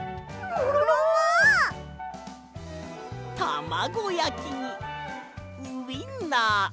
たまごやきにウインナー。